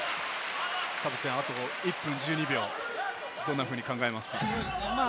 あと１分１２秒、どんなふうに考えますか？